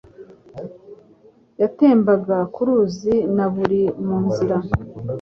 yatembaga ku ruzi na buri mu nzira